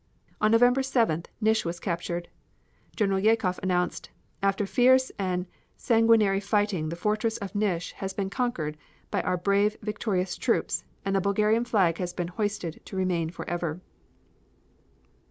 On November 7th, Nish was captured. General Jecoff announced: "After fierce and sanguinary fighting the fortress of Nish has been conquered by our brave victorious troops and the Bulgarian flag has been hoisted to remain forever."